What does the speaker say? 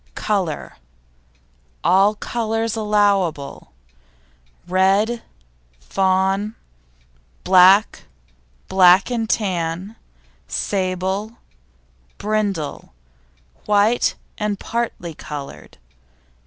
COLOUR All colours allowable, red, fawn, black, black and tan, sable, brindle, white and parti coloured.